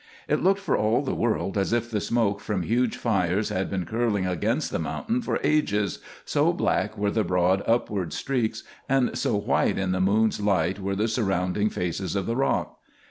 It looked for all the world as if the smoke from huge fires had been curling against the mountain for ages, so black were the broad upward streaks and so white in the moon's light were the surrounding faces of the rock.